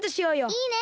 いいね！